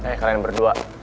eh kalian berdua